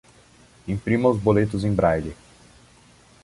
Imprima os boletos em braille